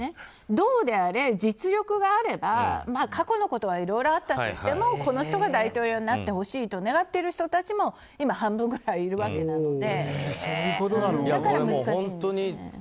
どうであれ、実力があれば過去のことはいろいろあったとしてもこの人が大統領になってほしいと願っている人たちも今、半分くらいいるわけなので。